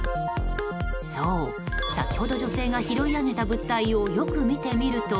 そう、先ほど女性が拾い上げた物体をよく見てみると「Ｎ」。